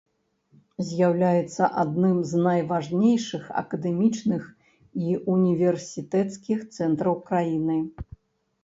З'яўляецца адным з найважнейшых акадэмічных і універсітэцкіх цэнтраў краіны.